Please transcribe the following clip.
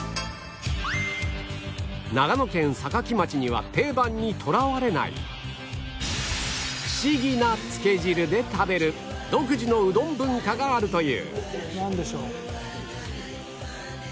長野県坂城町には定番にとらわれないフシギなつけ汁で食べる独自のうどん文化があるというなんでしょう？